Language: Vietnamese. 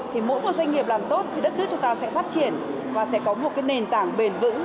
thì mỗi một doanh nghiệp làm tốt thì đất nước chúng ta sẽ phát triển và sẽ có một cái nền tảng bền vững